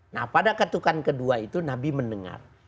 nah pada ketukan kedua itu nabi mendengar